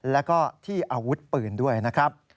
แล้วก็ที่อาวุธปืนด้วยนะครับ